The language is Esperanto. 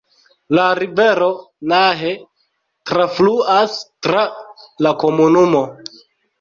La rivero Nahe trafluas tra la komunumo.